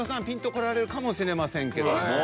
ピンとこられるかもしれませんけども。